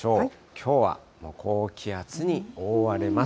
きょうは高気圧に覆われます。